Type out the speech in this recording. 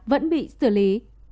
vẫn bị xử lý